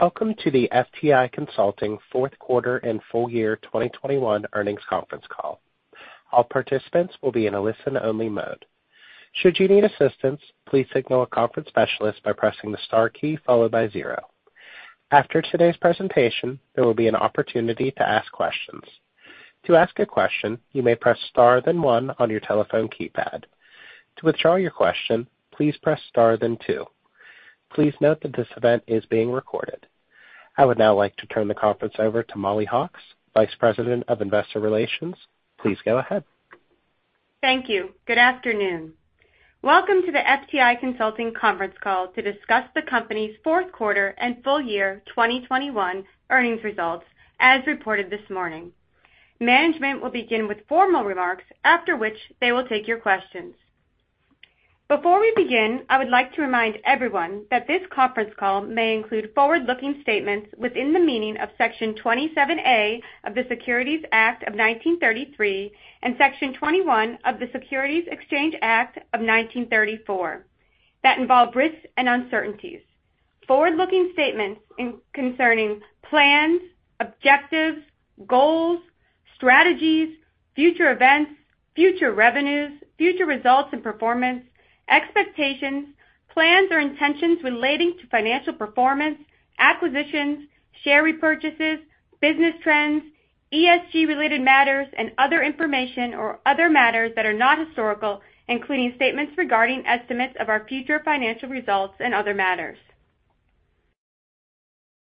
Welcome to the FTI Consulting fourth quarter and full year 2021 earnings conference call. All participants will be in a listen-only mode. Should you need assistance, please signal a conference specialist by pressing the star key followed by zero. After today's presentation, there will be an opportunity to ask questions. To ask a question, you may press star then one on your telephone keypad. To withdraw your question, please press star then two. Please note that this event is being recorded. I would now like to turn the conference over to Mollie Hawkes, Vice President of Investor Relations. Please go ahead. Thank you. Good afternoon. Welcome to the FTI Consulting conference call to discuss the company's fourth quarter and full year 2021 earnings results as reported this morning. Management will begin with formal remarks, after which they will take your questions. Before we begin, I would like to remind everyone that this conference call may include forward-looking statements within the meaning of Section 27A of the Securities Act of 1933 and Section 21 of the Securities Exchange Act of 1934 that involve risks and uncertainties. Forward-looking statements concerning plans, objectives, goals, strategies, future events, future revenues, future results and performance, expectations, plans or intentions relating to financial performance, acquisitions, share repurchases, business trends, ESG-related matters, and other information or other matters that are not historical, including statements regarding estimates of our future financial results and other matters.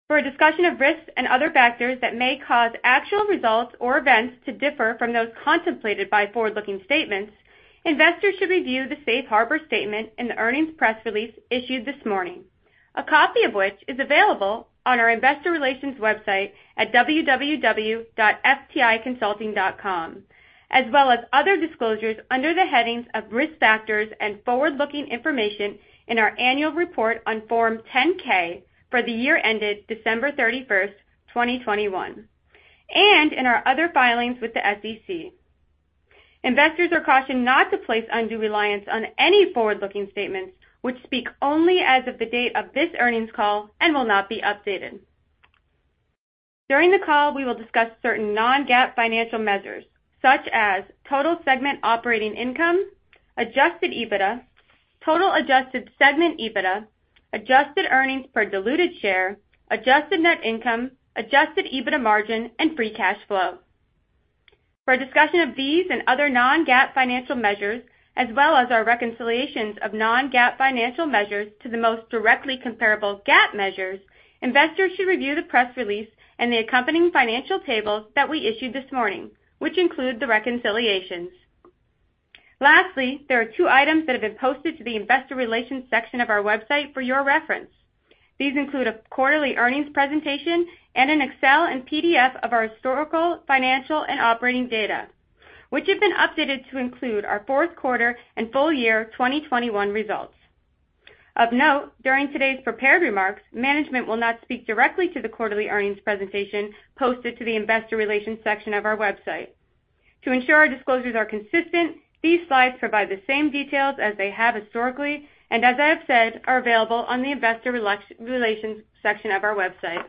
For a discussion of risks and other factors that may cause actual results or events to differ from those contemplated by forward-looking statements, investors should review the safe harbor statement in the earnings press release issued this morning, a copy of which is available on our investor relations website at www.fticonsulting.com, as well as other disclosures under the headings of Risk Factors and Forward-Looking Information in our annual report on Form 10-K for the year ended December 31, 2021, and in our other filings with the SEC. Investors are cautioned not to place undue reliance on any forward-looking statements which speak only as of the date of this earnings call and will not be updated. During the call, we will discuss certain non-GAAP financial measures such as total segment operating income, adjusted EBITDA, total adjusted segment EBITDA, adjusted earnings per diluted share, adjusted net income, adjusted EBITDA margin, and free cash flow. For a discussion of these and other non-GAAP financial measures, as well as our reconciliations of non-GAAP financial measures to the most directly comparable GAAP measures, investors should review the press release and the accompanying financial tables that we issued this morning, which include the reconciliations. Lastly, there are two items that have been posted to the investor relations section of our website for your reference. These include a quarterly earnings presentation and an Excel and PDF of our historical, financial, and operating data, which have been updated to include our fourth quarter and full year 2021 results. Of note, during today's prepared remarks, management will not speak directly to the quarterly earnings presentation posted to the investor relations section of our website. To ensure our disclosures are consistent, these slides provide the same details as they have historically, and as I have said, are available on the investor relations section of our website.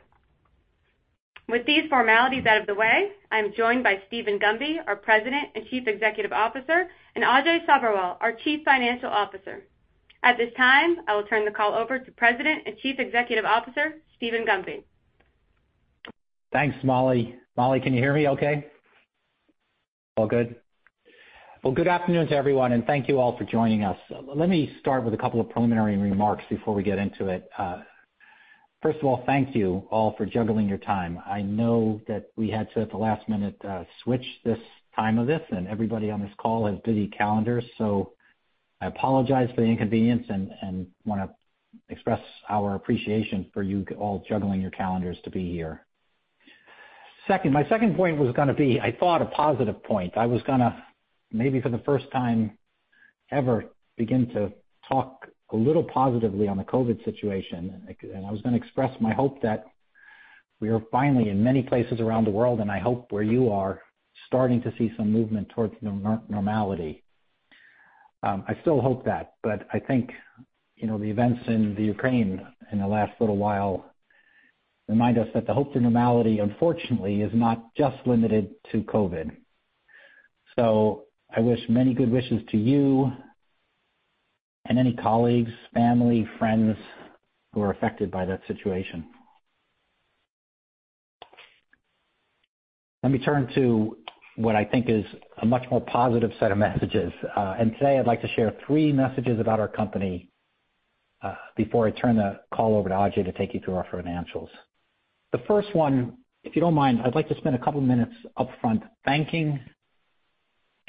With these formalities out of the way, I am joined by Steven Gunby, our President and Chief Executive Officer, and Ajay Sabherwal, our Chief Financial Officer. At this time, I will turn the call over to President and Chief Executive Officer, Steven Gunby. Thanks, Mollie. Mollie, can you hear me okay? All good. Well, good afternoon to everyone, and thank you all for joining us. Let me start with a couple of preliminary remarks before we get into it. First of all, thank you all for juggling your time. I know that we had to, at the last minute, switch this time of this and everybody on this call has busy calendars, so I apologize for the inconvenience and wanna express our appreciation for you all juggling your calendars to be here. Second, my second point was gonna be, I thought, a positive point. I was gonna, maybe for the first time ever, begin to talk a little positively on the COVID situation. I was gonna express my hope that we are finally in many places around the world, and I hope where you are, starting to see some movement towards normality. I still hope that, but I think, you know, the events in the Ukraine in the last little while remind us that the hope to normality, unfortunately, is not just limited to COVID. I wish many good wishes to you and any colleagues, family, friends who are affected by that situation. Let me turn to what I think is a much more positive set of messages. Today I'd like to share three messages about our company before I turn the call over to Ajay to take you through our financials. The first one, if you don't mind, I'd like to spend a couple minutes upfront thanking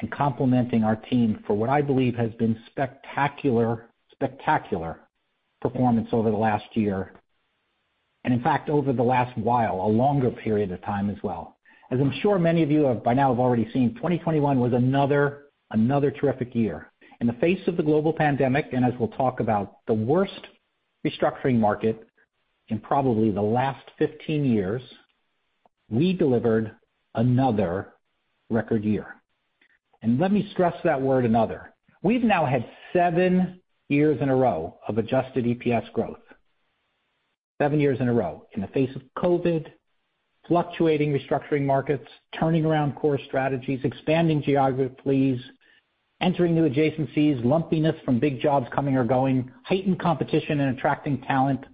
and complimenting our team for what I believe has been spectacular performance over the last year and in fact, over the last while, a longer period of time as well. As I'm sure many of you have by now already seen, 2021 was another terrific year. In the face of the global pandemic, and as we'll talk about, the worst restructuring market in probably the last 15 years. We delivered another record year. Let me stress that word another. We've now had seven years in a row of Adjusted EPS growth. seven years in a row in the face of COVID, fluctuating restructuring markets, turning around core strategies, expanding geographies, entering new adjacencies, lumpiness from big jobs coming or going, heightened competition and attracting talent,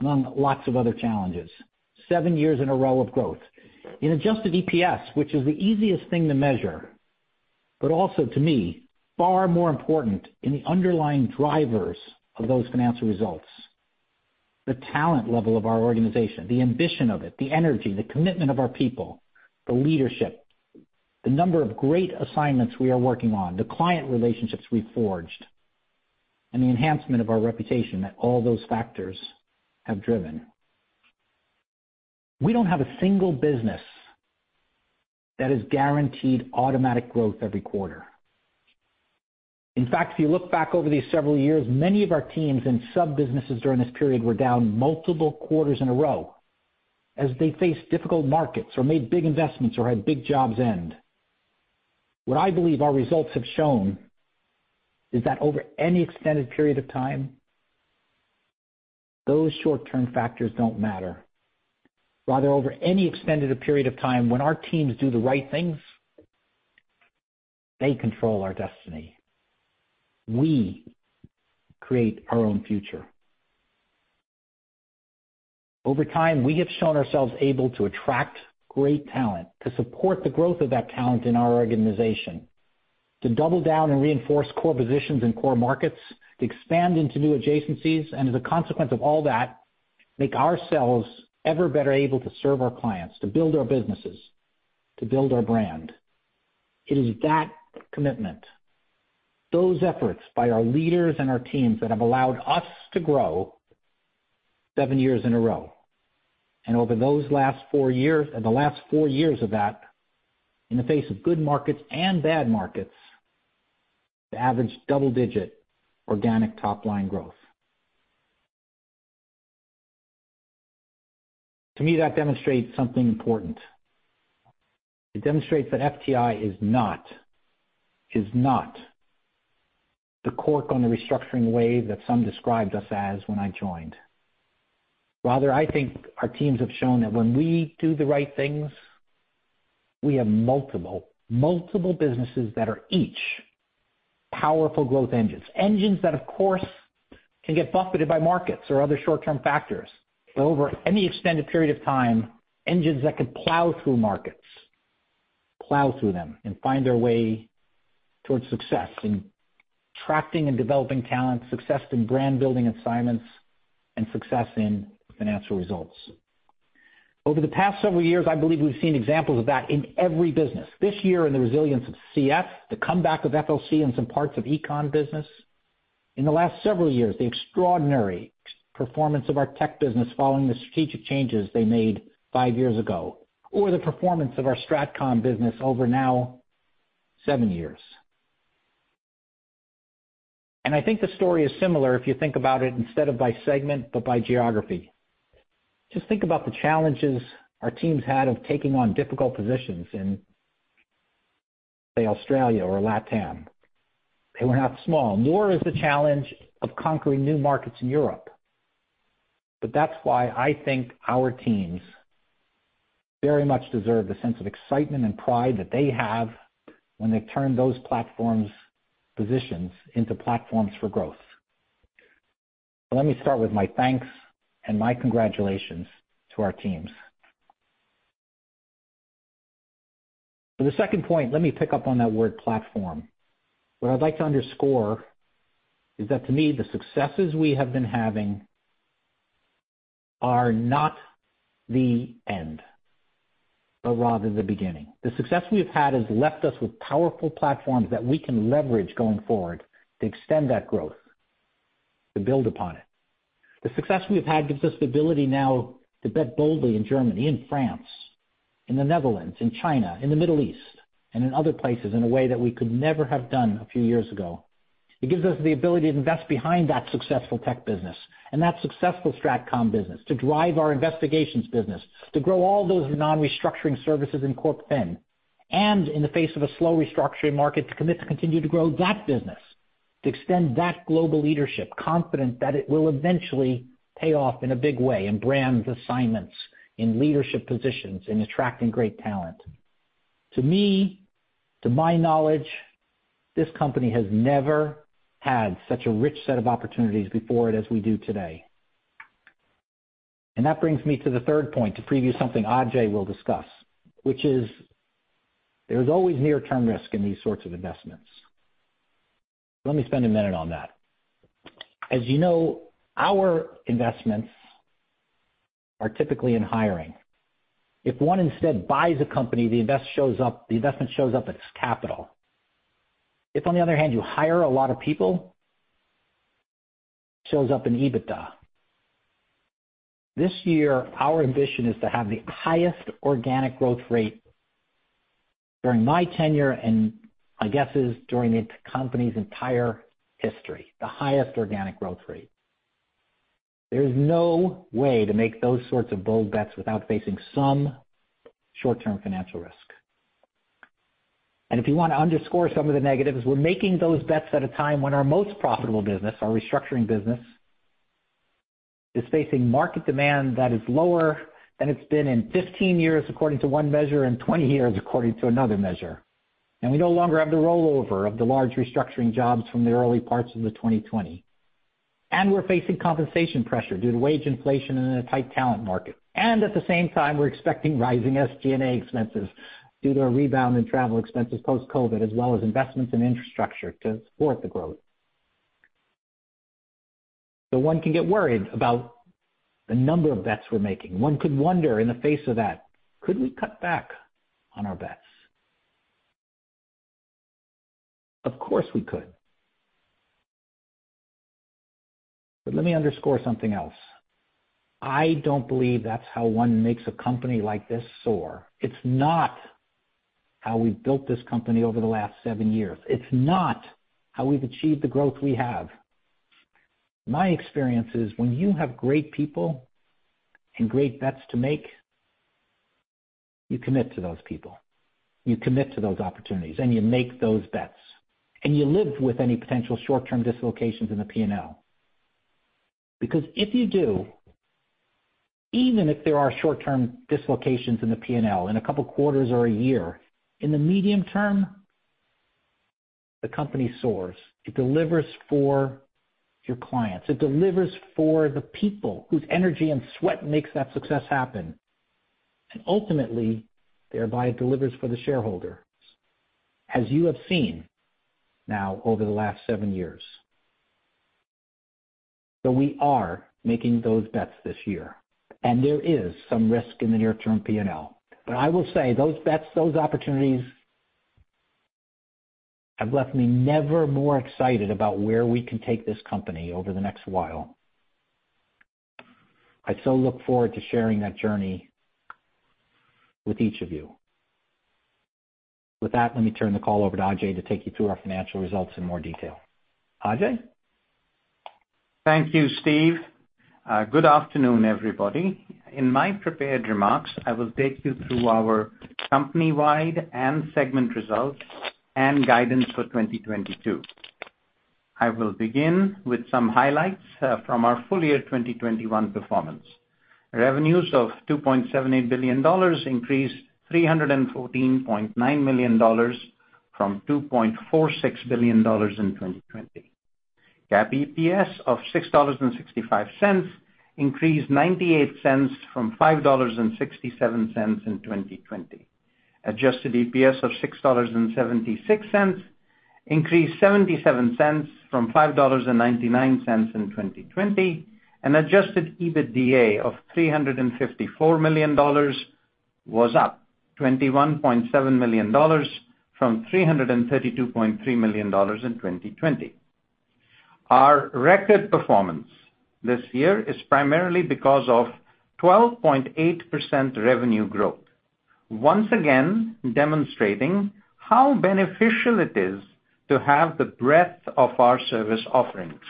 among lots of other challenges. Seven years in a row of growth. In Adjusted EPS, which is the easiest thing to measure, but also to me, far more important in the underlying drivers of those financial results, the talent level of our organization, the ambition of it, the energy, the commitment of our people, the leadership, the number of great assignments we are working on, the client relationships we forged, and the enhancement of our reputation that all those factors have driven. We don't have a single business that is guaranteed automatic growth every quarter. In fact, if you look back over these several years, many of our teams and sub-businesses during this period were down multiple quarters in a row as they faced difficult markets or made big investments or had big jobs end. What I believe our results have shown is that over any extended period of time, those short-term factors don't matter. Rather, over any extended period of time, when our teams do the right things, they control our destiny. We create our own future. Over time, we have shown ourselves able to attract great talent, to support the growth of that talent in our organization, to double down and reinforce core positions in core markets, expand into new adjacencies, and as a consequence of all that, make ourselves ever better able to serve our clients, to build our businesses, to build our brand. It is that commitment, those efforts by our leaders and our teams that have allowed us to grow seven years in a row. Over those last four years, in the face of good markets and bad markets, to average double-digit organic top-line growth. To me, that demonstrates something important. It demonstrates that FTI is not the cork on the restructuring wave that some described us as when I joined. Rather, I think our teams have shown that when we do the right things, we have multiple businesses that are each powerful growth engines that of course can get buffeted by markets or other short-term factors. Over any extended period of time, engines that can plow through markets, plow through them and find their way towards success in attracting and developing talent, success in brand building assignments, and success in financial results. Over the past several years, I believe we've seen examples of that in every business. This year, in the resilience of CF, the comeback of FLC in some parts of econ business. In the last several years, the extraordinary performance of our tech business following the strategic changes they made five years ago, or the performance of our Strat Comm business over now seven years. I think the story is similar if you think about it instead of by segment, but by geography. Just think about the challenges our teams had of taking on difficult positions in, say, Australia or LATAM. They were not small, nor is the challenge of conquering new markets in Europe. That's why I think our teams very much deserve the sense of excitement and pride that they have when they turn those platforms positions into platforms for growth. Let me start with my thanks and my congratulations to our teams. For the second point, let me pick up on that word platform. What I'd like to underscore is that to me, the successes we have been having are not the end, but rather the beginning. The success we have had has left us with powerful platforms that we can leverage going forward to extend that growth, to build upon it. The success we have had gives us the ability now to bet boldly in Germany, in France, in the Netherlands, in China, in the Middle East, and in other places in a way that we could never have done a few years ago. It gives us the ability to invest behind that successful tech business and that successful Strat Comm business to drive our investigations business, to grow all those non-restructuring services in Corp Fin, and in the face of a slow restructuring market, to commit to continue to grow that business, to extend that global leadership, confident that it will eventually pay off in a big way in brands, assignments, in leadership positions, in attracting great talent. To me, to my knowledge, this company has never had such a rich set of opportunities before it as we do today. That brings me to the third point, to preview something Ajay will discuss, which is there is always near-term risk in these sorts of investments. Let me spend a minute on that. As you know, our investments are typically in hiring. If one instead buys a company, the investment shows up as capital. If, on the other hand, you hire a lot of people, it shows up in EBITDA. This year, our ambition is to have the highest organic growth rate during my tenure, and my guess is during the company's entire history, the highest organic growth rate. There's no way to make those sorts of bold bets without facing some short-term financial risk. If you wanna underscore some of the negatives, we're making those bets at a time when our most profitable business, our restructuring business, is facing market demand that is lower than it's been in 15 years according to one measure, and 20 years according to another measure. We no longer have the rollover of the large restructuring jobs from the early parts of 2020. We're facing compensation pressure due to wage inflation in a tight talent market. At the same time, we're expecting rising SG&A expenses due to a rebound in travel expenses post-COVID, as well as investments in infrastructure to support the growth. One can get worried about the number of bets we're making. One could wonder in the face of that, could we cut back on our bets? Of course, we could. Let me underscore something else. I don't believe that's how one makes a company like this soar. It's not how we've built this company over the last seven years. It's not how we've achieved the growth we have. My experience is when you have great people and great bets to make, you commit to those people, you commit to those opportunities, and you make those bets, and you live with any potential short-term dislocations in the P&L. Because if you do, even if there are short-term dislocations in the P&L in a couple quarters or a year, in the medium term, the company soars. It delivers for your clients. It delivers for the people whose energy and sweat makes that success happen, and ultimately, thereby, it delivers for the shareholders, as you have seen now over the last seven years. We are making those bets this year, and there is some risk in the near term P&L. I will say, those bets, those opportunities have left me never more excited about where we can take this company over the next while. I so look forward to sharing that journey with each of you. With that, let me turn the call over to Ajay to take you through our financial results in more detail. Ajay? Thank you, Steve. Good afternoon, everybody. In my prepared remarks, I will take you through our company-wide and segment results and guidance for 2022. I will begin with some highlights from our full year 2021 performance. Revenues of $2.78 billion increased $314.9 million from $2.46 billion in 2020. GAAP EPS of $6.65 increased $0.98 from $5.67 in 2020. Adjusted EPS of $6.76 increased $0.77 from $5.99 in 2020. Adjusted EBITDA of $354 million was up $21.7 million from $332.3 million in 2020. Our record performance this year is primarily because of 12.8% revenue growth, once again demonstrating how beneficial it is to have the breadth of our service offerings.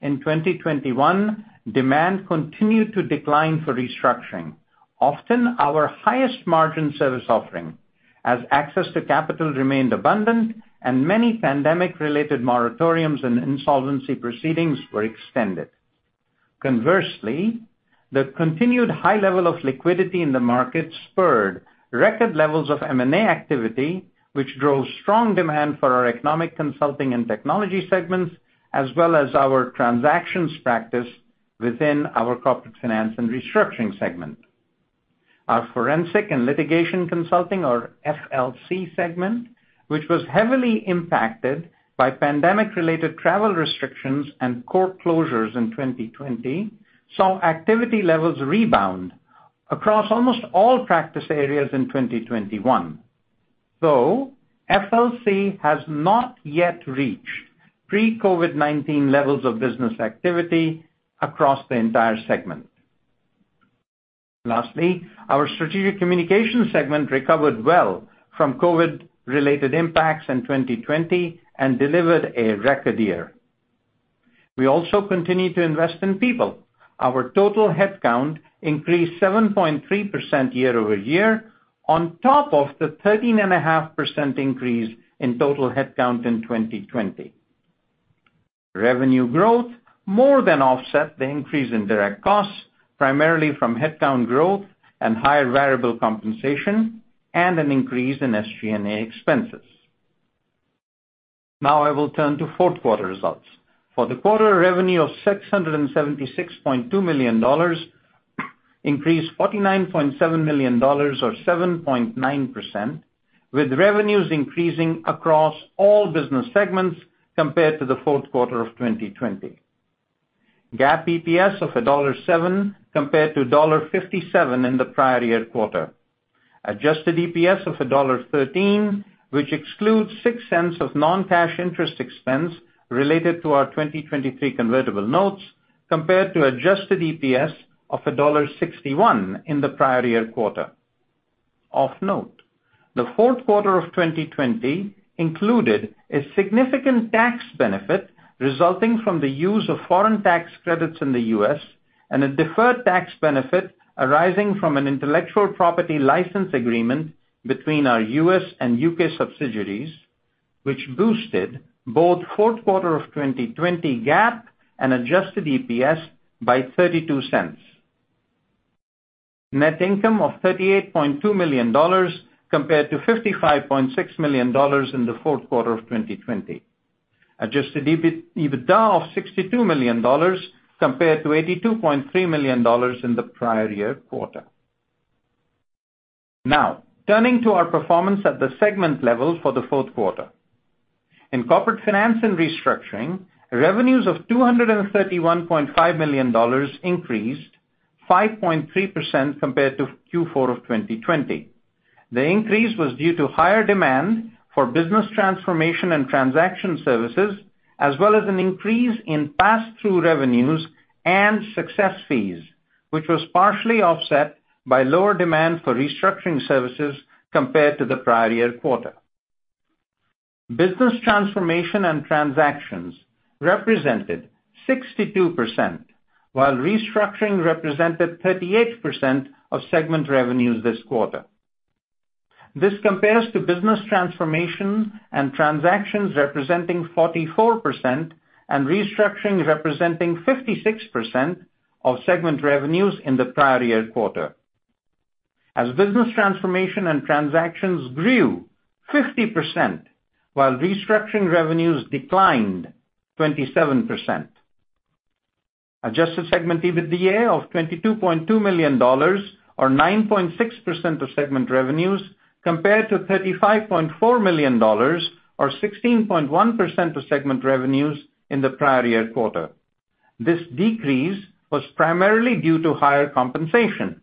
In 2021, demand continued to decline for restructuring, often our highest margin service offering, as access to capital remained abundant and many pandemic-related moratoriums and insolvency proceedings were extended. Conversely, the continued high level of liquidity in the market spurred record levels of M&A activity, which drove strong demand for our Economic Consulting and Technology segments, as well as our transactions practice within our Corporate Finance & Restructuring segment. Our Forensic & Litigation Consulting, or FLC, segment, which was heavily impacted by pandemic-related travel restrictions and court closures in 2020, saw activity levels rebound across almost all practice areas in 2021, though FLC has not yet reached pre-COVID-19 levels of business activity across the entire segment. Lastly, our Strategic Communications segment recovered well from COVID-related impacts in 2020 and delivered a record year. We also continued to invest in people. Our total headcount increased 7.3% year-over-year on top of the 13.5% increase in total headcount in 2020. Revenue growth more than offset the increase in direct costs, primarily from headcount growth and higher variable compensation, and an increase in SG&A expenses. Now I will turn to fourth quarter results. For the quarter, revenue of $676.2 million increased $49.7 million or 7.9%, with revenues increasing across all business segments compared to the fourth quarter of 2020. GAAP EPS of $1.07 compared to $1.57 in the prior year quarter. Adjusted EPS of $1.13, which excludes $0.06 of non-cash interest expense related to our 2023 Convertible Notes. Compared to adjusted EPS of $1.61 in the prior year quarter. Of note, the fourth quarter of 2020 included a significant tax benefit resulting from the use of foreign tax credits in the U.S. and a deferred tax benefit arising from an intellectual property license agreement between our U.S. and U.K. subsidiaries, which boosted both fourth quarter of 2020 GAAP and adjusted EPS by $0.32. Net income of $38.2 million compared to $55.6 million in the fourth quarter of 2020. Adjusted EBITDA of $62 million compared to $82.3 million in the prior year quarter. Now, turning to our performance at the segment level for the fourth quarter. In Corporate Finance and Restructuring, revenues of $231.5 million increased 5.3% compared to Q4 of 2020. The increase was due to higher demand for business transformation and transaction services, as well as an increase in passthrough revenues and success fees, which was partially offset by lower demand for restructuring services compared to the prior year quarter. Business transformation and transactions represented 62%, while restructuring represented 38% of segment revenues this quarter. This compares to business transformation and transactions representing 44% and restructuring representing 56% of segment revenues in the prior year quarter as business transformation and transactions grew 50%, while restructuring revenues declined 27%. Adjusted segment EBITDA of $22.2 million or 9.6% of segment revenues compared to $35.4 million or 16.1% of segment revenues in the prior year quarter. This decrease was primarily due to higher compensation,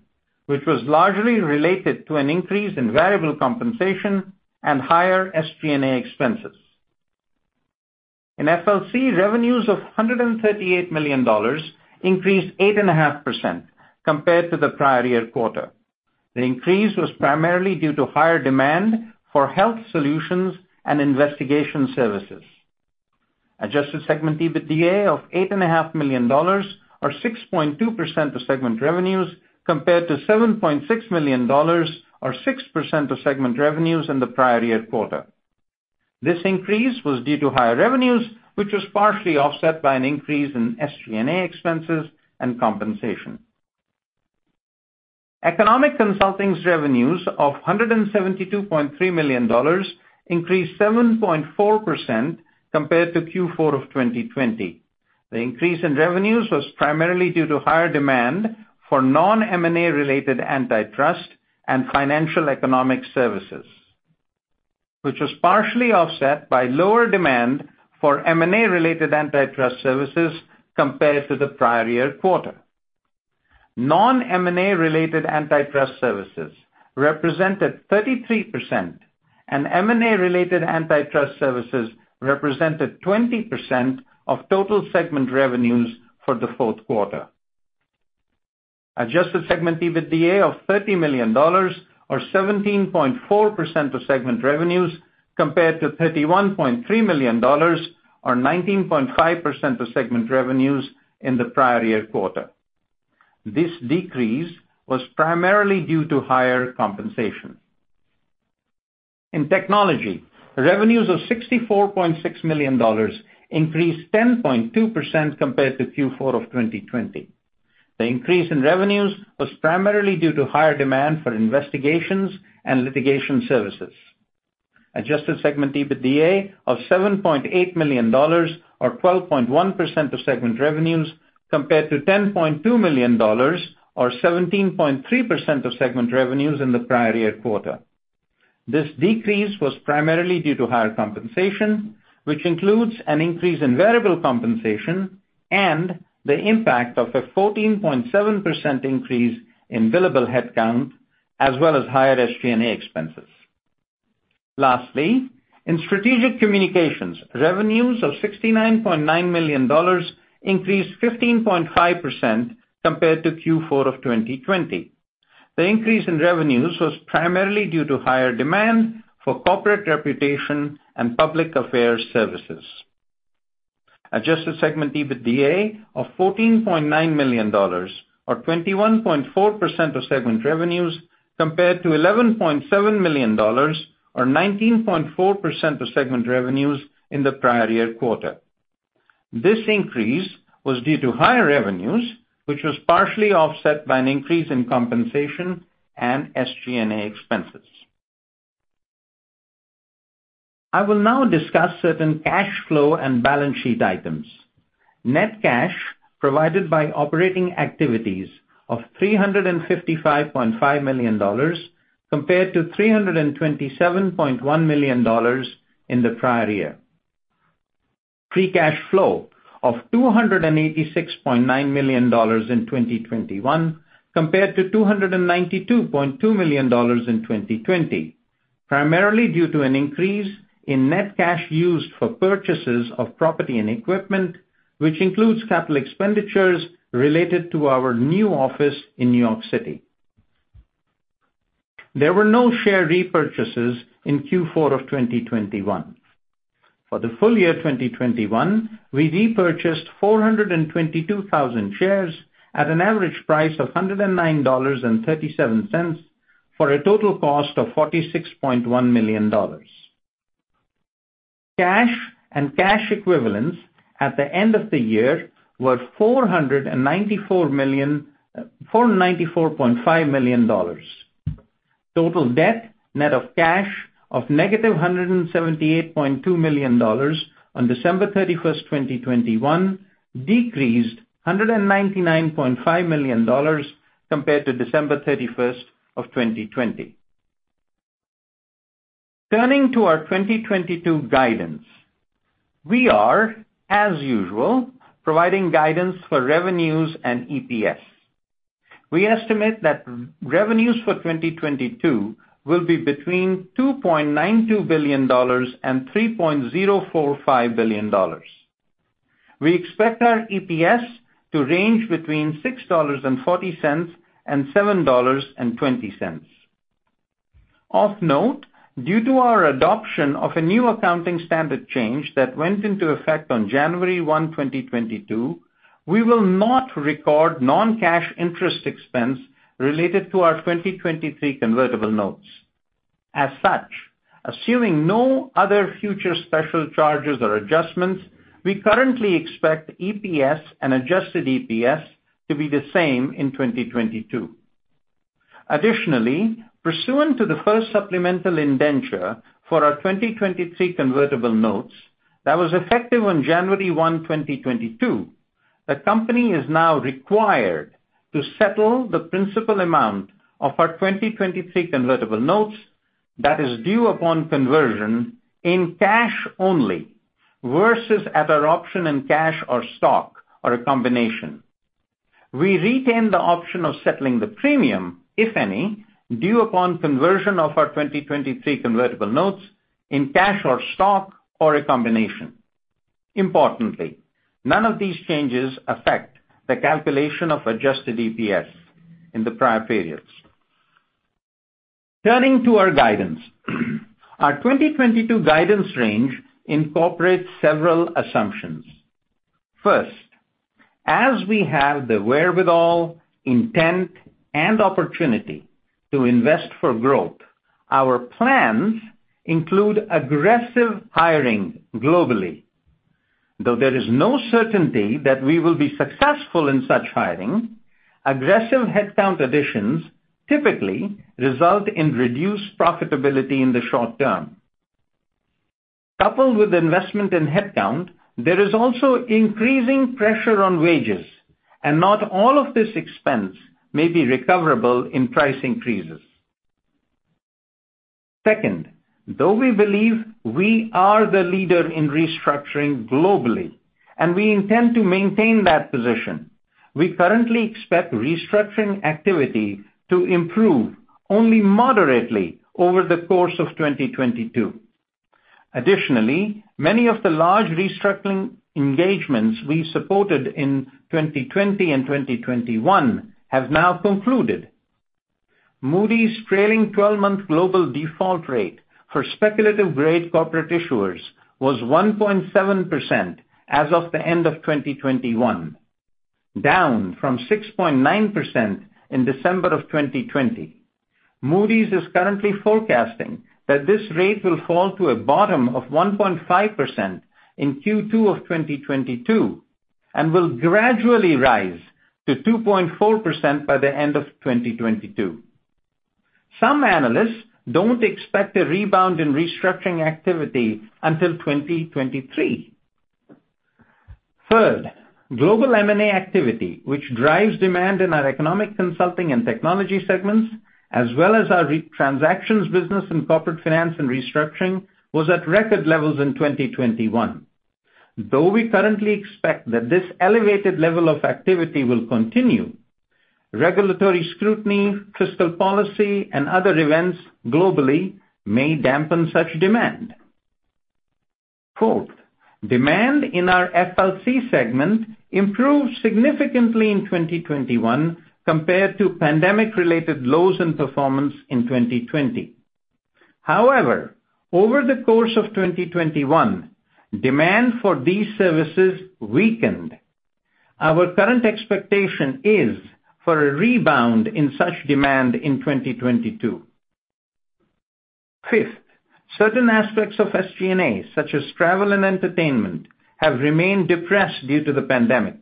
which was largely related to an increase in variable compensation and higher SG&A expenses. In FLC, revenues of $138 million increased 8.5% compared to the prior year quarter. The increase was primarily due to higher demand for Health Solutions and investigation services. Adjusted segment EBITDA of $8.5 million or 6.2% of segment revenues compared to $7.6 million or 6% of segment revenues in the prior year quarter. This increase was due to higher revenues, which was partially offset by an increase in SG&A expenses and compensation. Economic Consulting's revenues of $172.3 million increased 7.4% compared to Q4 of 2020. The increase in revenues was primarily due to higher demand for non-M&A-related antitrust and financial economics services, which was partially offset by lower demand for M&A-related antitrust services compared to the prior year quarter. Non-M&A-related antitrust services represented 33% and M&A-related antitrust services represented 20% of total segment revenues for the fourth quarter. Adjusted segment EBITDA of $30 million or 17.4% of segment revenues compared to $31.3 million or 19.5% of segment revenues in the prior year quarter. This decrease was primarily due to higher compensation. In Technology, revenues of $64.6 million increased 10.2% compared to Q4 of 2020. The increase in revenues was primarily due to higher demand for investigations and litigation services. Adjusted segment EBITDA of $7.8 million or 12.1% of segment revenues compared to $10.2 million or 17.3% of segment revenues in the prior year quarter. This decrease was primarily due to higher compensation, which includes an increase in variable compensation and the impact of a 14.7% increase in billable headcount as well as higher SG&A expenses. Lastly, in Strategic Communications, revenues of $69.9 million increased 15.5% compared to Q4 of 2020. The increase in revenues was primarily due to higher demand for corporate reputation and public affairs services. Adjusted segment EBITDA of $14.9 million or 21.4% of segment revenues compared to $11.7 million or 19.4% of segment revenues in the prior year quarter. This increase was due to higher revenues, which was partially offset by an increase in compensation and SG&A expenses. I will now discuss certain cash flow and balance sheet items. Net cash provided by operating activities of $355.5 million compared to $327.1 million in the prior year. Free cash flow of $286.9 million in 2021 compared to $292.2 million in 2020. Primarily due to an increase in net cash used for purchases of property and equipment, which includes capital expenditures related to our new office in New York City. There were no share repurchases in Q4 of 2021. For the full year 2021, we repurchased 422,000 shares at an average price of $109.37 for a total cost of $46.1 million. Cash and cash equivalents at the end of the year were $494 million, $494.5 million. Total debt, net of cash of -$178.2 million on December 31, 2021, decreased $199.5 million compared to December 31, 2020. Turning to our 2022 guidance. We are, as usual, providing guidance for revenues and EPS. We estimate that revenues for 2022 will be between $2.92 billion and $3.045 billion. We expect our EPS to range between $6.40 and $7.20. Of note, due to our adoption of a new accounting standard change that went into effect on January 1, 2022, we will not record non-cash interest expense related to our 2023 Convertible Notes. As such, assuming no other future special charges or adjustments, we currently expect EPS and Adjusted EPS to be the same in 2022. Additionally, pursuant to the first supplemental indenture for our 2023 Convertible Notes that was effective on January 1, 2022, the company is now required to settle the principal amount of our 2023 Convertible Notes that is due upon conversion in cash only, versus at our option in cash or stock or a combination. We retain the option of settling the premium, if any, due upon conversion of our 2023 Convertible Notes in cash or stock or a combination. Importantly, none of these changes affect the calculation of Adjusted EPS in the prior periods. Turning to our guidance. Our 2022 guidance range incorporates several assumptions. First, as we have the wherewithal, intent, and opportunity to invest for growth, our plans include aggressive hiring globally. Though there is no certainty that we will be successful in such hiring, aggressive headcount additions typically result in reduced profitability in the short term. Coupled with investment in headcount, there is also increasing pressure on wages, and not all of this expense may be recoverable in price increases. Second, though we believe we are the leader in restructuring globally, and we intend to maintain that position, we currently expect restructuring activity to improve only moderately over the course of 2022. Additionally, many of the large restructuring engagements we supported in 2020 and 2021 have now concluded. Moody's trailing twelve-month global default rate for speculative-grade corporate issuers was 1.7% as of the end of 2021, down from 6.9% in December of 2020. Moody's is currently forecasting that this rate will fall to a bottom of 1.5% in Q2 of 2022, and will gradually rise to 2.4% by the end of 2022. Some analysts don't expect a rebound in restructuring activity until 2023. Third, global M&A activity, which drives demand in our Economic Consulting and Technology segments, as well as our restructuring transactions, business and Corporate Finance & Restructuring, was at record levels in 2021. Though we currently expect that this elevated level of activity will continue, regulatory scrutiny, fiscal policy, and other events globally may dampen such demand. Fourth, demand in our FLC segment improved significantly in 2021 compared to pandemic-related lows in performance in 2020. However, over the course of 2021, demand for these services weakened. Our current expectation is for a rebound in such demand in 2022. Fifth, certain aspects of SG&A, such as travel and entertainment, have remained depressed due to the pandemic.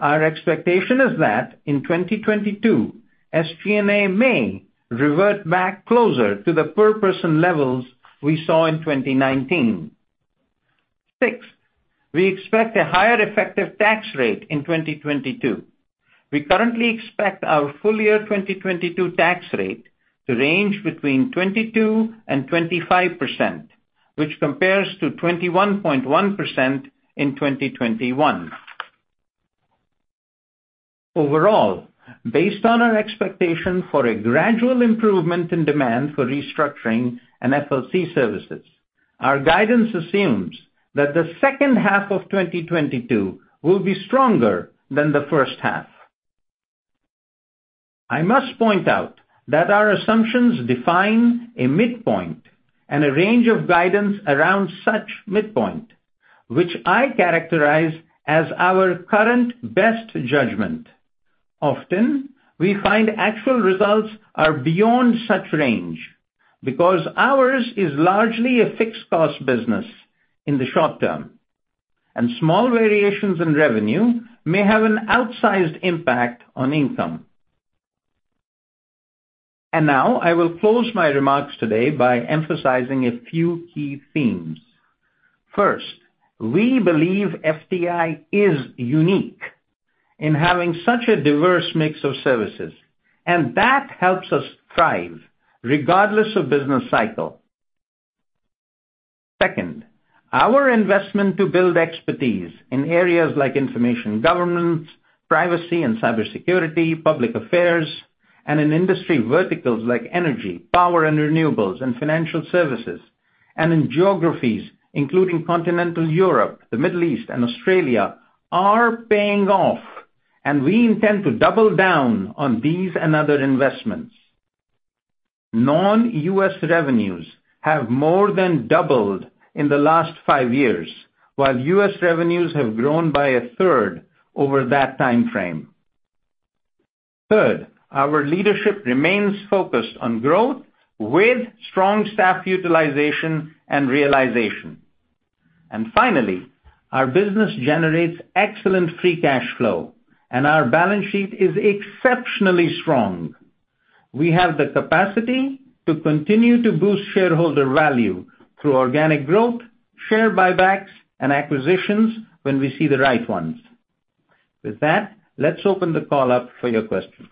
Our expectation is that in 2022, SG&A may revert back closer to the per person levels we saw in 2019. Six, we expect a higher effective tax rate in 2022. We currently expect our full year 2022 tax rate to range between 22%-25%, which compares to 21.1% in 2021. Overall, based on our expectation for a gradual improvement in demand for restructuring and FLC services, our guidance assumes that the second half of 2022 will be stronger than the first half. I must point out that our assumptions define a midpoint and a range of guidance around such midpoint, which I characterize as our current best judgment. Often, we find actual results are beyond such range because ours is largely a fixed cost business in the short term, and small variations in revenue may have an outsized impact on income. Now I will close my remarks today by emphasizing a few key themes. First, we believe FTI is unique in having such a diverse mix of services, and that helps us thrive regardless of business cycle. Second, our investment to build expertise in areas like information governance, privacy and cybersecurity, public affairs, and in industry verticals like energy, power and renewables, and financial services, and in geographies including continental Europe, the Middle East, and Australia, are paying off, and we intend to double down on these and other investments. Non-U.S. revenues have more than doubled in the last five years, while U.S. revenues have grown by a third over that time frame. Third, our leadership remains focused on growth with strong staff utilization and realization. Finally, our business generates excellent free cash flow, and our balance sheet is exceptionally strong. We have the capacity to continue to boost shareholder value through organic growth, share buybacks, and acquisitions when we see the right ones. With that, let's open the call up for your questions.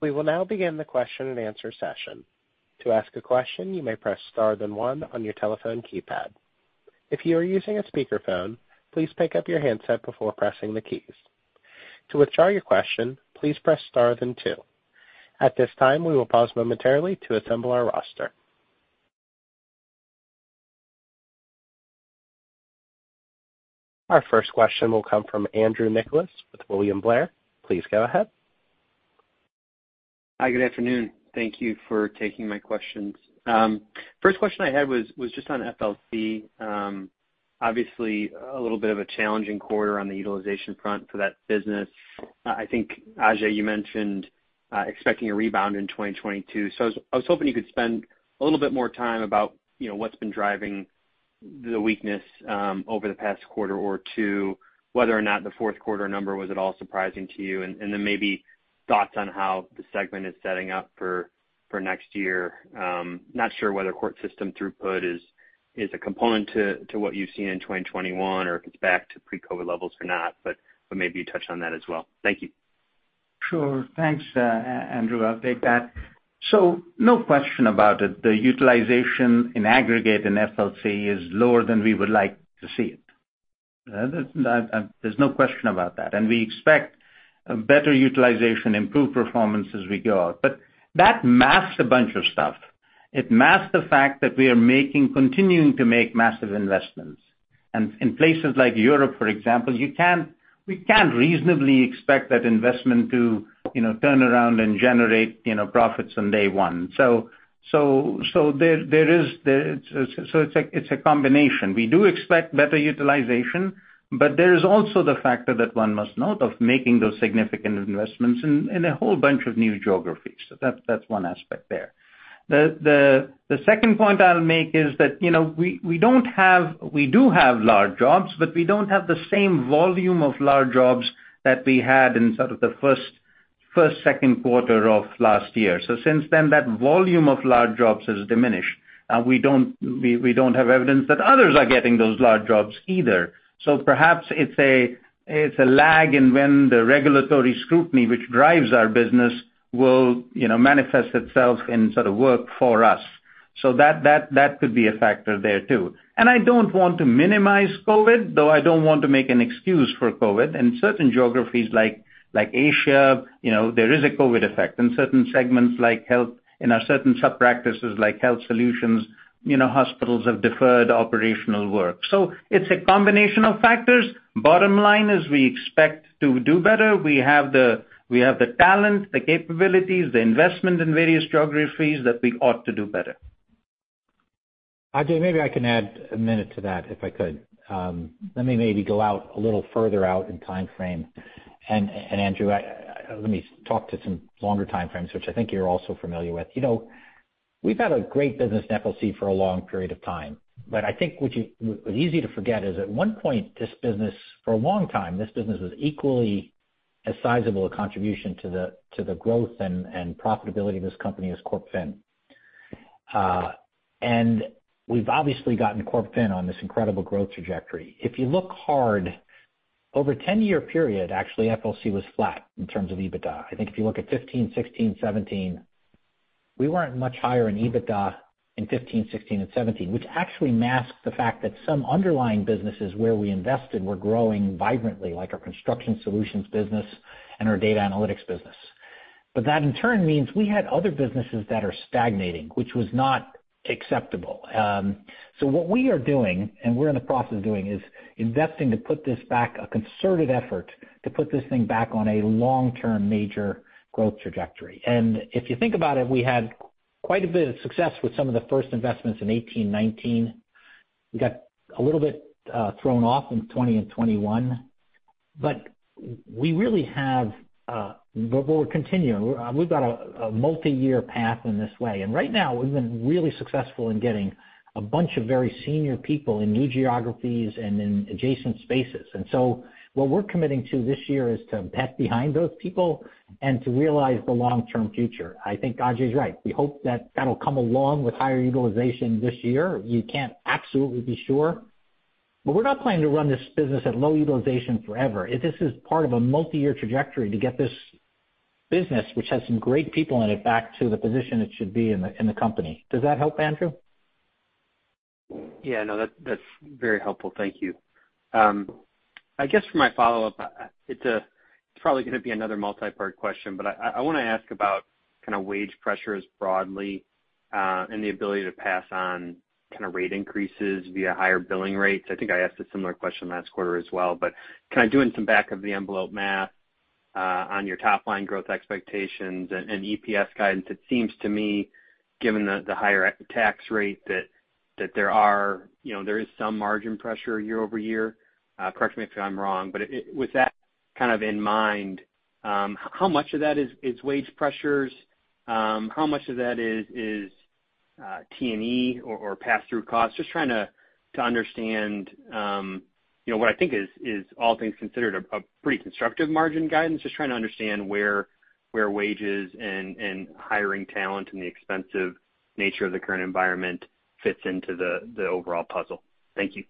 We will now begin the question and answer session. To ask a question, you may press star then one on your telephone keypad. If you are using a speakerphone, please pick up your handset before pressing the keys. To withdraw your question, please press star then two. At this time, we will pause momentarily to assemble our roster. Our first question will come from Andrew Nicholas with William Blair. Please go ahead. Hi. Good afternoon. Thank you for taking my questions. First question I had was just on FLC. Obviously a little bit of a challenging quarter on the utilization front for that business. I think, Ajay, you mentioned expecting a rebound in 2022. I was hoping you could spend a little bit more time about, you know, what's been driving the weakness over the past quarter or two, whether or not the fourth quarter number was at all surprising to you, and then maybe thoughts on how the segment is setting up for next year. Not sure whether court system throughput is a component to what you've seen in 2021 or if it's back to pre-COVID levels or not, but maybe touch on that as well. Thank you. Sure. Thanks, Andrew. I'll take that. No question about it, the utilization in aggregate in FLC is lower than we would like to see it. There's no question about that. We expect a better utilization, improved performance as we go out. That masks a bunch of stuff. It masks the fact that we are continuing to make massive investments. In places like Europe, for example, we can't reasonably expect that investment to, you know, turn around and generate, you know, profits on day one. It's a combination. We do expect better utilization, but there is also the factor that one must note of making those significant investments in a whole bunch of new geographies. That's one aspect there. The second point I'll make is that, you know, we do have large jobs, but we don't have the same volume of large jobs that we had in sort of the first, second quarter of last year. Since then, that volume of large jobs has diminished. We don't have evidence that others are getting those large jobs either. Perhaps it's a lag in when the regulatory scrutiny which drives our business will, you know, manifest itself in sort of work for us. That could be a factor there too. I don't want to minimize COVID, though I don't want to make an excuse for COVID. In certain geographies like Asia, you know, there is a COVID effect. In certain segments like health, in our certain sub-practices like Health Solutions, you know, hospitals have deferred operational work. It's a combination of factors. Bottom line is we expect to do better. We have the talent, the capabilities, the investment in various geographies that we ought to do better. Ajay, maybe I can add a minute to that if I could. Let me maybe go out a little further out in timeframe. Andrew, let me talk to some longer timeframes, which I think you're also familiar with. You know, we've had a great business in FLC for a long period of time, but I think what's easy to forget is at one point this business, for a long time, this business was equally as sizable a contribution to the growth and profitability of this company as Corp Fin. We've obviously gotten Corp Fin on this incredible growth trajectory. If you look hard, over a ten-year period, actually FLC was flat in terms of EBITDA. I think if you look at 15, 16, 17. We weren't much higher in EBITDA in 15, 16, and 17, which actually masks the fact that some underlying businesses where we invested were growing vibrantly, like our Construction Solutions business and our Data Analytics business. That in turn means we had other businesses that are stagnating, which was not acceptable. What we are doing, and we're in the process of doing, is investing to put this back a concerted effort to put this thing back on a long-term major growth trajectory. If you think about it, we had quite a bit of success with some of the first investments in 18, 19. We got a little bit thrown off in 20 and 21, but we really have, but we're continuing. We've got a multi-year path in this way. Right now, we've been really successful in getting a bunch of very senior people in new geographies and in adjacent spaces. What we're committing to this year is to bet behind those people and to realize the long-term future. I think Ajay's right. We hope that that'll come along with higher utilization this year. You can't absolutely be sure, but we're not planning to run this business at low utilization forever. This is part of a multi-year trajectory to get this business, which has some great people in it, back to the position it should be in the company. Does that help, Andrew? Yeah. No, that's very helpful. Thank you. I guess for my follow-up, it's probably gonna be another multi-part question, but I wanna ask about kind of wage pressures broadly, and the ability to pass on kind of rate increases via higher billing rates. I think I asked a similar question last quarter as well. Kind of doing some back-of-the-envelope math, on your top-line growth expectations and EPS guidance, it seems to me, given the higher tax rate, that there are, you know, there is some margin pressure year-over-year. Correct me if I'm wrong. With that kind of in mind, how much of that is wage pressures? How much of that is T&E or pass-through costs? Just trying to understand, you know, what I think is all things considered a pretty constructive margin guidance. Just trying to understand where wages and hiring talent and the expensive nature of the current environment fits into the overall puzzle. Thank you.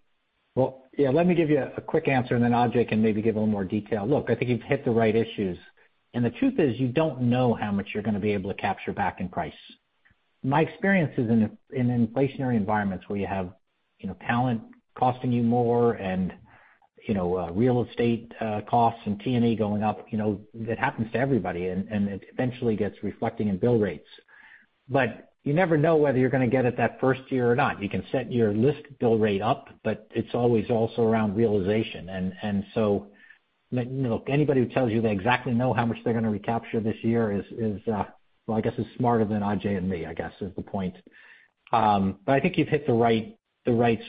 Well, yeah, let me give you a quick answer, and then Ajay can maybe give a little more detail. Look, I think you've hit the right issues. The truth is, you don't know how much you're gonna be able to capture back in price. My experience is in inflationary environments where you have, you know, talent costing you more and, you know, real estate costs and T&E going up, you know, that happens to everybody and it eventually gets reflected in bill rates. You never know whether you're gonna get it that first year or not. You can set your list bill rate up, but it's always also around realization. Look, anybody who tells you they exactly know how much they're gonna recapture this year is well, I guess, smarter than Ajay and me, I guess, is the point. I think you've hit the right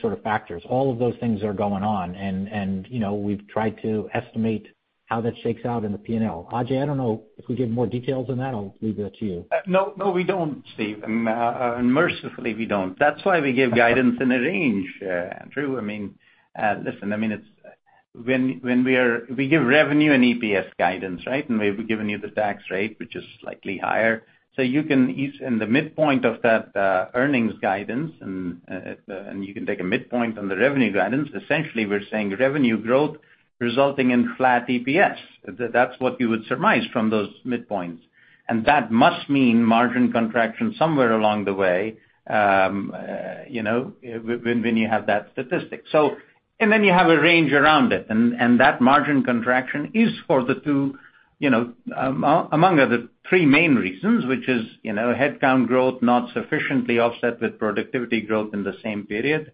sort of factors. All of those things are going on, you know, we've tried to estimate how that shakes out in the P&L. Ajay, I don't know if we give more details on that. I'll leave that to you. No, we don't, Steve. Mercifully, we don't. That's why we give guidance in a range, Andrew. I mean, listen, I mean, it's when we give revenue and EPS guidance, right? We've given you the tax rate, which is slightly higher. You can ease in the midpoint of that earnings guidance, and you can take a midpoint on the revenue guidance. Essentially, we're saying revenue growth resulting in flat EPS. That's what you would surmise from those midpoints. That must mean margin contraction somewhere along the way, you know, when you have that statistic. Then you have a range around it. That margin contraction is due to two, you know, among the three main reasons, which is, you know, headcount growth not sufficiently offset with productivity growth in the same period.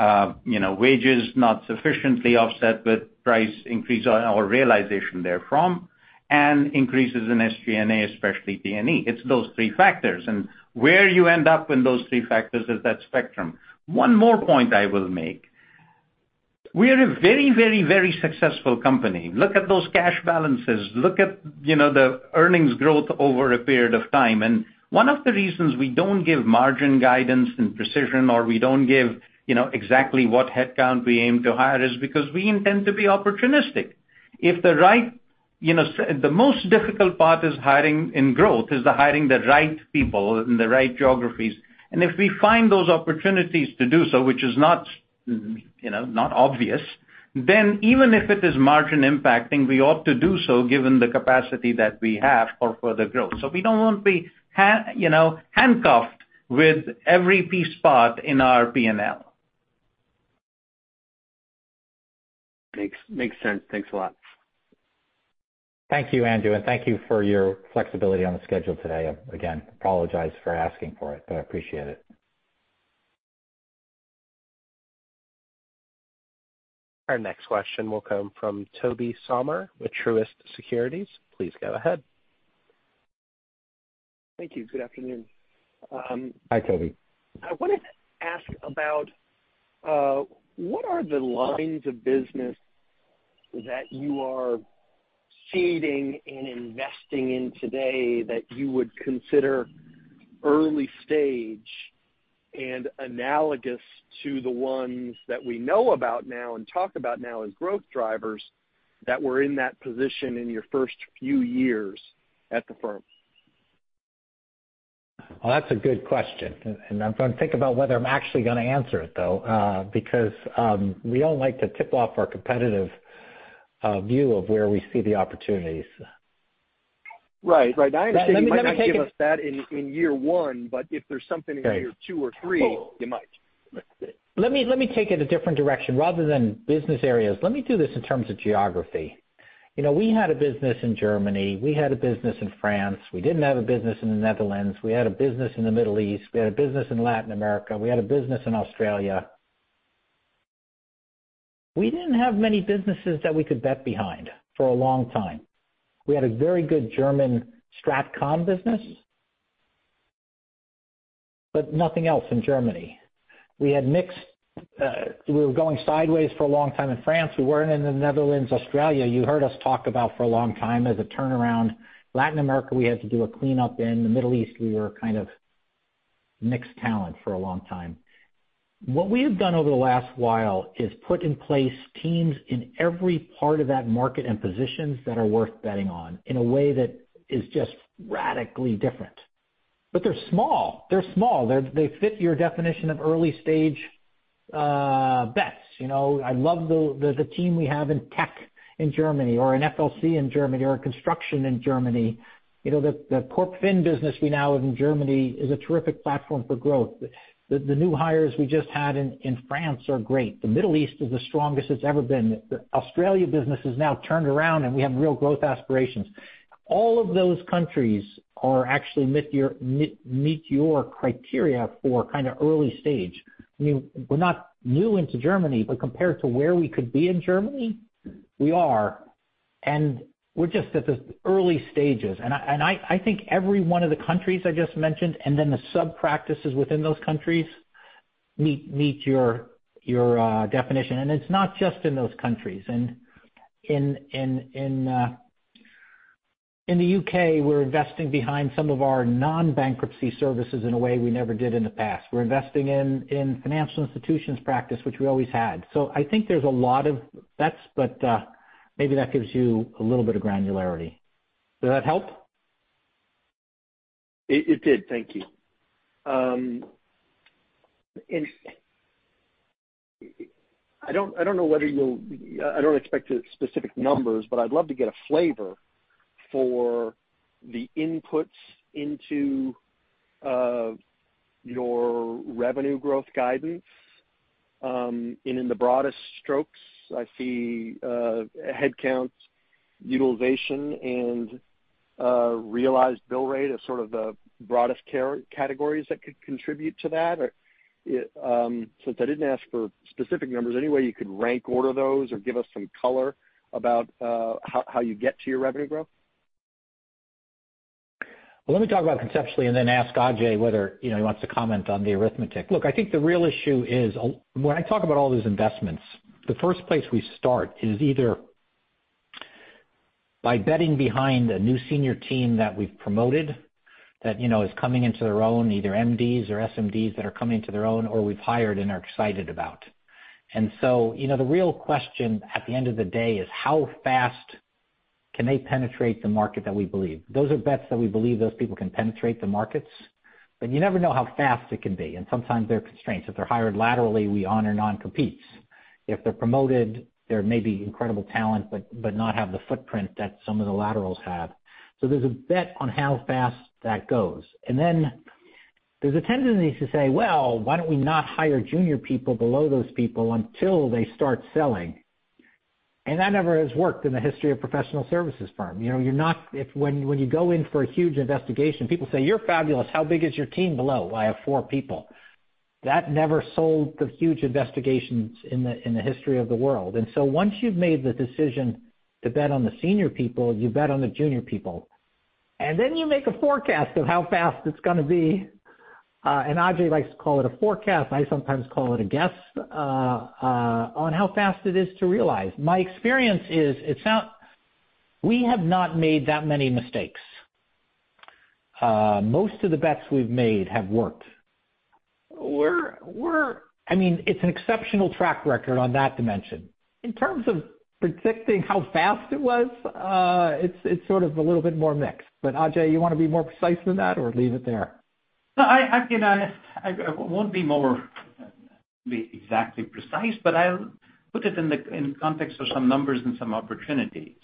You know, wages not sufficiently offset with price increase or realization therefrom, and increases in SG&A, especially T&E. It's those three factors. Where you end up in those three factors is that spectrum. One more point I will make. We are a very successful company. Look at those cash balances. Look at, you know, the earnings growth over a period of time. One of the reasons we don't give margin guidance and precision, or we don't give, you know, exactly what headcount we aim to hire is because we intend to be opportunistic. The most difficult part is hiring the right people in the right geographies. If we find those opportunities to do so, which is not, you know, obvious, then even if it is margin impacting, we ought to do so given the capacity that we have for further growth. We don't want to be, you know, handcuffed with every position in our P&L. Makes sense. Thanks a lot. Thank you, Andrew, and thank you for your flexibility on the schedule today. Again, I apologize for asking for it, but I appreciate it. Our next question will come from Tobey Sommer with Truist Securities. Please go ahead. Thank you. Good afternoon. Hi, Toby. I wanted to ask about what are the lines of business that you are seeding and investing in today that you would consider early stage and analogous to the ones that we know about now and talk about now as growth drivers that were in that position in your first few years at the firm? Well, that's a good question, and I'm gonna think about whether I'm actually gonna answer it, though, because we don't like to tip off our competitors a view of where we see the opportunities. Right. I understand you might not give us that in year one, but if there's something in year two or three, you might. Let me take it a different direction. Rather than business areas, let me do this in terms of geography. You know, we had a business in Germany, we had a business in France. We didn't have a business in the Netherlands. We had a business in the Middle East. We had a business in Latin America. We had a business in Australia. We didn't have many businesses that we could get behind for a long time. We had a very good German StratCom business, but nothing else in Germany. We had mixed, we were going sideways for a long time in France. We weren't in the Netherlands. Australia, you heard us talk about for a long time as a turnaround. Latin America, we had to do a cleanup in. The Middle East, we were kind of mixed talent for a long time. What we have done over the last while is put in place teams in every part of that market and positions that are worth betting on in a way that is just radically different. They're small. They fit your definition of early-stage bets. You know, I love the team we have in tech in Germany or in FLC in Germany or in construction in Germany. You know, the corp fin business we now have in Germany is a terrific platform for growth. The new hires we just had in France are great. The Middle East is the strongest it's ever been. The Australia business has now turned around, and we have real growth aspirations. All of those countries actually meet your criteria for kinda early stage. I mean, we're not new into Germany, but compared to where we could be in Germany, we are. We're just at the early stages. I think every one of the countries I just mentioned and then the sub-practices within those countries meet your definition. It's not just in those countries. In the U.K., we're investing behind some of our non-bankruptcy services in a way we never did in the past. We're investing in Financial Institutions practice, which we always had. I think there's a lot of bets, but maybe that gives you a little bit of granularity. Did that help? It did. Thank you. I don't expect specific numbers, but I'd love to get a flavor for the inputs into your revenue growth guidance. In the broadest strokes, I see headcount utilization and realized bill rate as sort of the broadest categories that could contribute to that. Since I didn't ask for specific numbers, any way you could rank order those or give us some color about how you get to your revenue growth? Well, let me talk about it conceptually and then ask Ajay whether, you know, he wants to comment on the arithmetic. Look, I think the real issue is, when I talk about all these investments, the first place we start is either by betting behind a new senior team that we've promoted that, you know, is coming into their own, either MDs or SMDs that are coming to their own or we've hired and are excited about. You know, the real question at the end of the day is how fast can they penetrate the market that we believe. Those are bets that we believe those people can penetrate the markets, but you never know how fast it can be, and sometimes there are constraints. If they're hired laterally, we honor non-competes. If they're promoted, they may be incredible talent but not have the footprint that some of the laterals have. There's a bet on how fast that goes. Then there's a tendency to say, "Well, why don't we not hire junior people below those people until they start selling?" That never has worked in the history of professional services firm. You know, when you go in for a huge investigation, people say, "You're fabulous. How big is your team below?" "I have four people." That never sold the huge investigations in the history of the world. Once you've made the decision to bet on the senior people, you bet on the junior people. Then you make a forecast of how fast it's gonna be, and Ajay likes to call it a forecast, I sometimes call it a guess, on how fast it is to realize. My experience is it's not. We have not made that many mistakes. Most of the bets we've made have worked. We're I mean, it's an exceptional track record on that dimension. In terms of predicting how fast it was, it's sort of a little bit more mixed. Ajay, you wanna be more precise than that or leave it there? No, I won't be exactly precise, but I'll put it in the context of some numbers and some opportunity.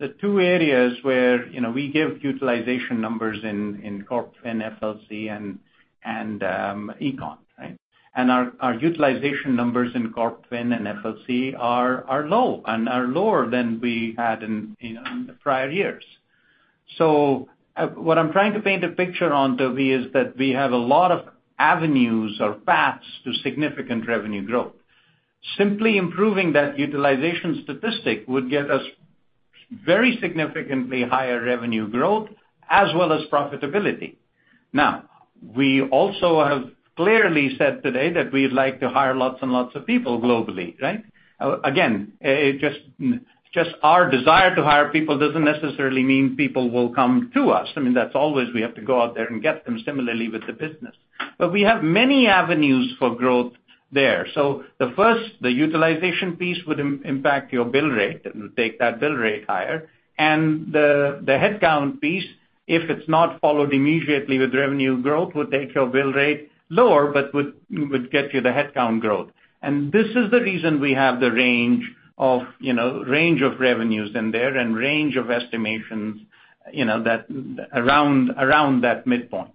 The two areas where, you know, we give utilization numbers in corp fin, FLC and econ, right? Our utilization numbers in corp fin and FLC are low and are lower than we had in the prior years. What I'm trying to paint a picture on, Tobey, is that we have a lot of avenues or paths to significant revenue growth. Simply improving that utilization statistic would get us very significantly higher revenue growth as well as profitability. Now, we also have clearly said today that we'd like to hire lots and lots of people globally, right? Again, it just our desire to hire people doesn't necessarily mean people will come to us. I mean, that's always. We have to go out there and get them similarly with the business. We have many avenues for growth there. The first, the utilization piece would impact your bill rate and take that bill rate higher. The headcount piece, if it's not followed immediately with revenue growth, would take your bill rate lower but would get you the headcount growth. This is the reason we have the range of, you know, range of revenues in there and range of estimations, you know, that around that midpoint.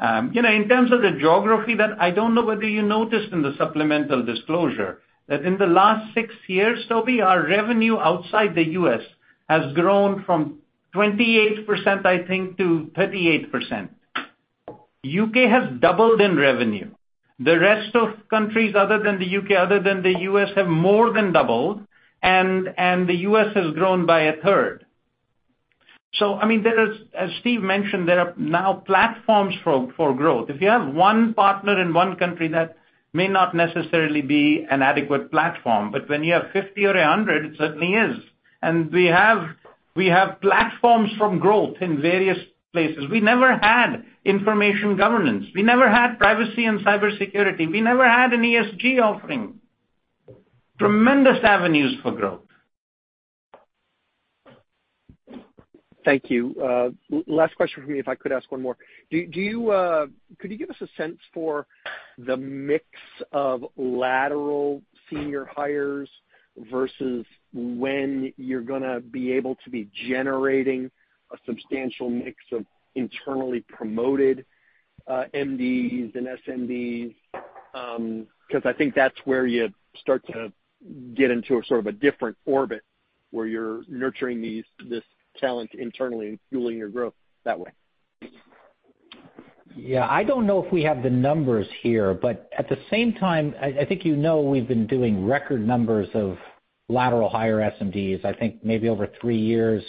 You know, in terms of the geography, I don't know whether you noticed in the supplemental disclosure that in the last six years, Toby, our revenue outside the U.S. has grown from 28%, I think, to 38%. U.K. has doubled in revenue. The rest of countries other than the U.K., other than the U.S., have more than doubled, and the U.S. has grown by 1/3. I mean, there is, as Steve mentioned, there are now platforms for growth. If you have one partner in one country, that may not necessarily be an adequate platform. When you have 50 or 100, it certainly is. We have platforms for growth in various places. We never had Information Governance. We never had privacy and cybersecurity. We never had an ESG offering. Tremendous avenues for growth. Thank you. Last question for me, if I could ask one more. Could you give us a sense for the mix of lateral senior hires versus when you're gonna be able to be generating a substantial mix of internally promoted MDs and SMDs? 'Cause I think that's where you start to get into a sort of a different orbit, where you're nurturing this talent internally and fueling your growth that way. Yeah. I don't know if we have the numbers here, but at the same time, I think you know we've been doing record numbers of lateral hire SMDs. I think maybe over three years,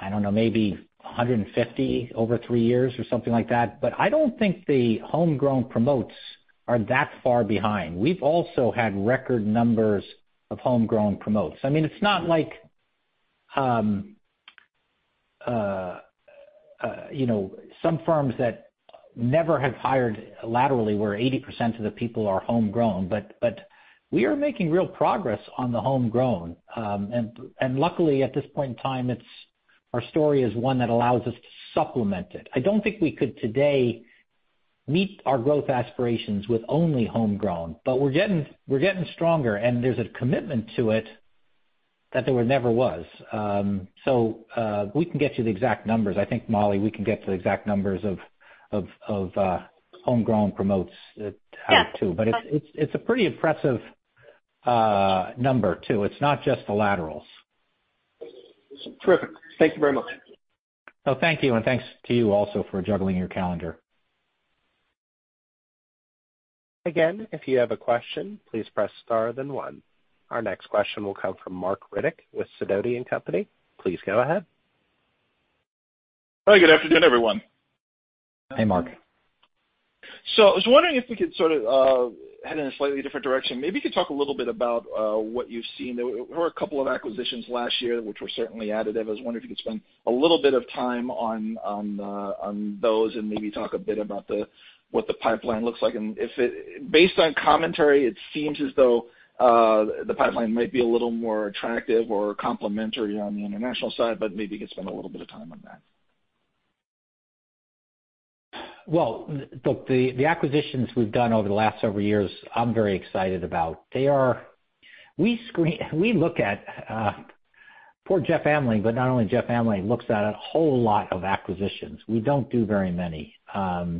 I don't know, maybe 150 over three years or something like that. I don't think the homegrown promotes are that far behind. We've also had record numbers of homegrown promotes. I mean, it's not like you know, some firms that never have hired laterally, where 80% of the people are homegrown, but we are making real progress on the homegrown. Luckily, at this point in time, it's our story is one that allows us to supplement it. I don't think we could today meet our growth aspirations with only homegrown, but we're getting stronger, and there's a commitment to it that there never was. We can get you the exact numbers. I think, Molly, we can get you the exact numbers of homegrown promotes out too. Yes. It's a pretty impressive number too. It's not just the laterals. Terrific. Thank you very much. No, thank you. Thanks to you also for juggling your calendar. Again, if you have a question, please press star then one. Our next question will come from Marc Riddick with Sidoti & Company. Please go ahead. Hi, good afternoon, everyone. Hey, Marc. I was wondering if we could sort of head in a slightly different direction. Maybe you could talk a little bit about what you've seen. There were a couple of acquisitions last year, which were certainly additive. I was wondering if you could spend a little bit of time on those and maybe talk a bit about what the pipeline looks like. Based on commentary, it seems as though the pipeline might be a little more attractive or complementary on the international side, but maybe you could spend a little bit of time on that. Well, look, the acquisitions we've done over the last several years, I'm very excited about. We look at poor Jeff Amling, but not only Jeff Amling, looks at a whole lot of acquisitions. We don't do very many. That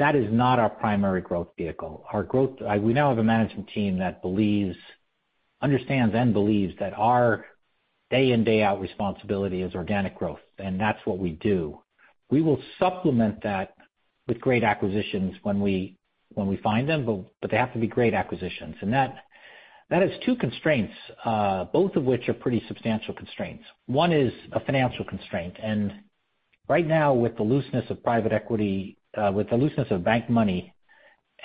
is not our primary growth vehicle. We now have a management team that believes, understands and believes that our day in, day out responsibility is organic growth, and that's what we do. We will supplement that with great acquisitions when we find them, but they have to be great acquisitions. That is two constraints, both of which are pretty substantial constraints. One is a financial constraint. Right now, with the looseness of private equity, with the looseness of bank money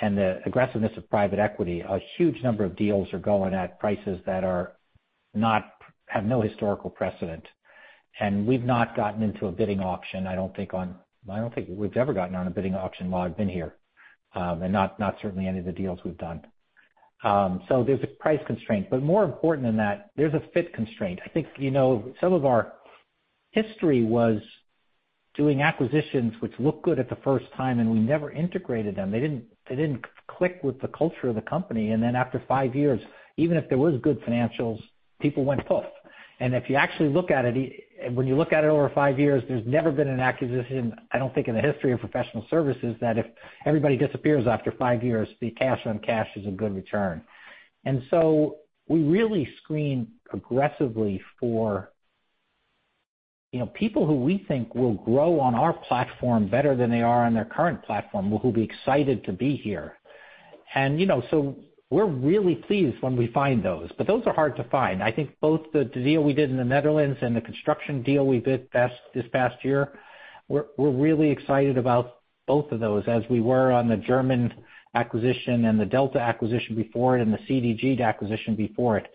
and the aggressiveness of private equity, a huge number of deals are going at prices that have no historical precedent. We've not gotten into a bidding auction, I don't think. I don't think we've ever gotten on a bidding auction while I've been here, and not certainly any of the deals we've done. There's a price constraint. More important than that, there's a fit constraint. I think, you know, some of our history was doing acquisitions which looked good at the first time, and we never integrated them. They didn't click with the culture of the company. Then after five years, even if there was good financials, people went poof. If you actually look at it, when you look at it over five years, there's never been an acquisition, I don't think, in the history of professional services, that if everybody disappears after five years, the cash on cash is a good return. We really screen aggressively for, you know, people who we think will grow on our platform better than they are on their current platform, who will be excited to be here. You know, so we're really pleased when we find those, but those are hard to find. I think both the deal we did in the Netherlands and the construction deal we did this past year, we're really excited about both of those, as we were on the German acquisition and the Delta acquisition before it and the CDG acquisition before it.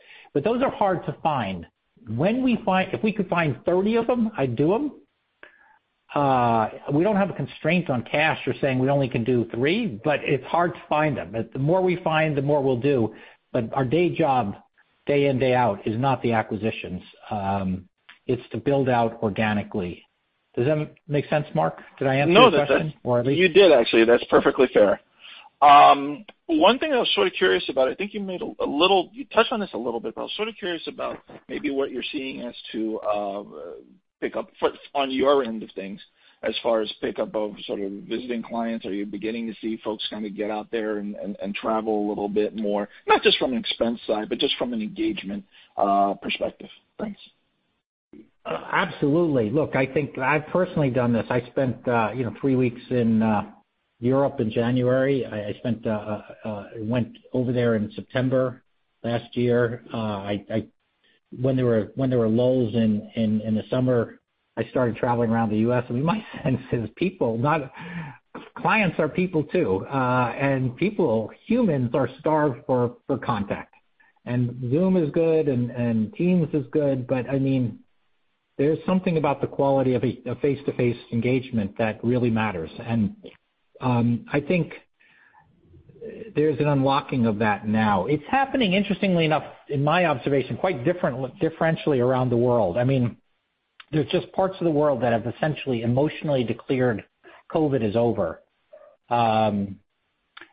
Those are hard to find. If we could find 30 of them, I'd do them. We don't have a constraint on cash. We're saying we only can do three, but it's hard to find them. The more we find, the more we'll do. Our day job, day in, day out, is not the acquisitions. It's to build out organically. Does that make sense, Marc? Did I answer your question or at least? No. You did, actually. That's perfectly fair. One thing I was sort of curious about, I think you made a little, you touched on this a little bit, but I was sort of curious about maybe what you're seeing as to pick up on your end of things as far as pick up of sort of visiting clients. Are you beginning to see folks kinda get out there and travel a little bit more, not just from an expense side, but just from an engagement perspective? Thanks. Absolutely. Look, I think I've personally done this. I spent, you know, three weeks in Europe in January. I went over there in September last year. When there were lulls in the summer, I started traveling around the U.S. My sense is people. Clients are people too, and people, humans are starved for contact. Zoom is good and Teams is good, but I mean, there's something about the quality of a face-to-face engagement that really matters. I think there's an unlocking of that now. It's happening, interestingly enough, in my observation, quite differentially around the world. I mean, there's just parts of the world that have essentially emotionally declared COVID is over.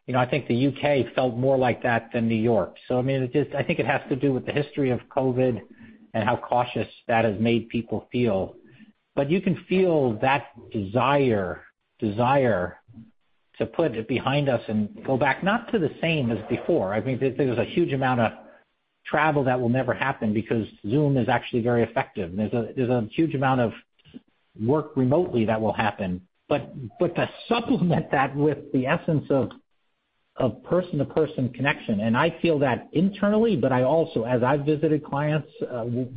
You know, I think the U.K. felt more like that than New York. I mean, it just I think it has to do with the history of COVID and how cautious that has made people feel. You can feel that desire to put it behind us and go back, not to the same as before. I think there's a huge amount of travel that will never happen because Zoom is actually very effective, and there's a huge amount of work remotely that will happen. To supplement that with the essence of person-to-person connection, and I feel that internally, but I also as I've visited clients,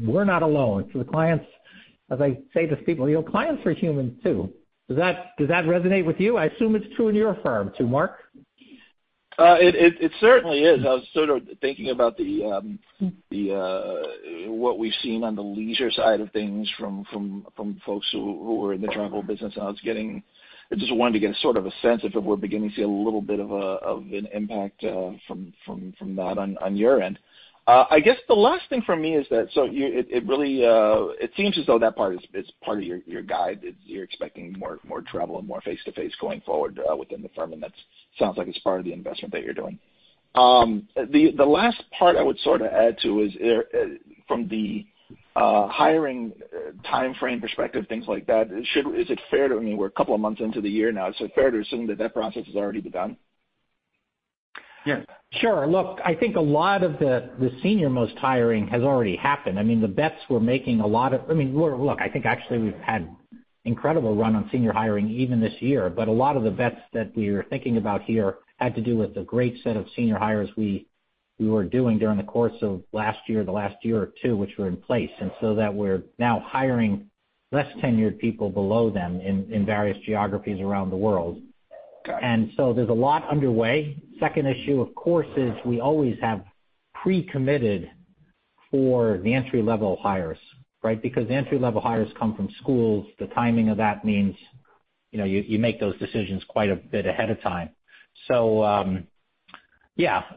we're not alone. The clients, as I say to people, you know, clients are humans too. Does that resonate with you? I assume it's true in your firm too, Marc? It certainly is. I was sort of thinking about what we've seen on the leisure side of things from folks who are in the travel business, and I just wanted to get sort of a sense if we're beginning to see a little bit of an impact from that on your end. I guess the last thing for me is that it really seems as though that part is part of your guide, you're expecting more travel and more face-to-face going forward within the firm, and that sounds like it's part of the investment that you're doing. The last part I would sort of add to is from the hiring timeframe perspective, things like that. Is it fair to... I mean, we're a couple of months into the year now, so fair to assume that that process has already begun? Yeah. Sure. Look, I think a lot of the senior-most hiring has already happened. I mean, the bets we're making a lot of. I mean, look, I think actually we've had incredible run on senior hiring even this year. A lot of the bets that we were thinking about here had to do with the great set of senior hires we were doing during the course of last year or the last year or two, which were in place. That we're now hiring less tenured people below them in various geographies around the world. Got it. There's a lot underway. Second issue, of course, is we always have pre-committed for the entry-level hires, right? Because the entry-level hires come from schools. The timing of that means, you make those decisions quite a bit ahead of time. A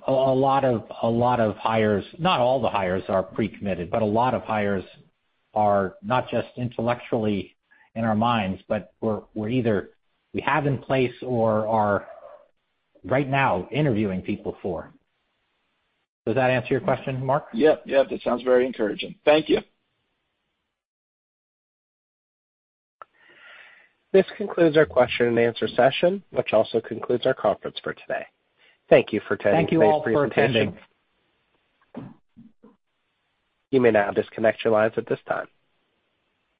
lot of hires, not all the hires are pre-committed, but a lot of hires are not just intellectually in our minds, but we're either we have in place or are right now interviewing people for. Does that answer your question, Marc? Yep. That sounds very encouraging. Thank you. This concludes our question and answer session, which also concludes our conference for today. Thank you for attending today's presentation. Thank you all for attending. You may now disconnect your lines at this time.